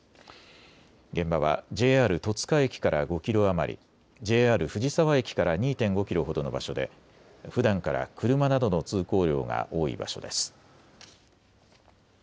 現場はＪＲ戸塚駅から５キロ余り、ＪＲ藤沢駅から２．５キロほどの場所でふだんから車などの通行量が多い場所です。